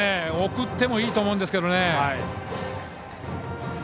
送ってもいいと思いますけどね。